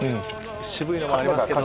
渋いのもありますけど。